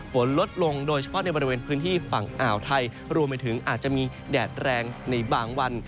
ฝนลดลงโดยเฉพาะในบริเวณพื้นที่ฝั่งอ่าวไทยรวมไปถึงอาจจะมีแดดแรงในบางวัน